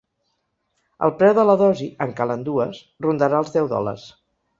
El preu de la dosi —en calen dues— rondarà els deu dòlars.